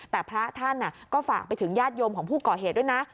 แต่พระท่านก็ฝากไปถึงญาติโยมของผู้ก่อเหตุด้วยนะ